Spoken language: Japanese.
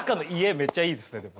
めっちゃいいですねでも。